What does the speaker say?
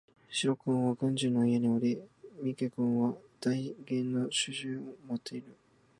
白君は軍人の家におり三毛君は代言の主人を持っている